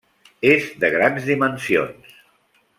És de grans dimensions.